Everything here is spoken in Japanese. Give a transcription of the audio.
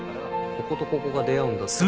こことここが出会うんだったらこう。